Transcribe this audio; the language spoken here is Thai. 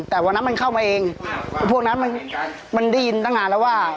แต่วันนั้นมันเข้ามาเองพวกนั้นมันได้ยินตั้งนานแล้วว่า